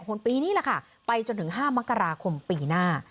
คนปีนี้แหละค่ะไปจนถึง๕มกราคมปีหน้า